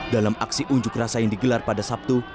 dalam aksi unjuk rasa yang digelar pada sabtu